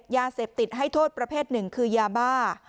ยาเสพติดให้โทษประเภทหนึ่งคือยาบ้า